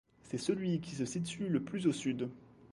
C'est celui qui se situe le plus au sud.